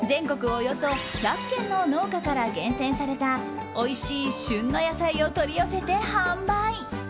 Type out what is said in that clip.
およそ１００軒の農家から厳選されたおいしい旬の野菜を取り寄せて販売。